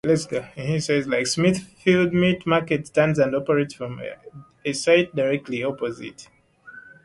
Smithfield Meat Market stands and operates from a site directly opposite.